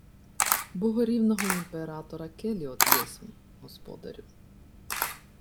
— Богорівного імператора келіот єсмь, господарю.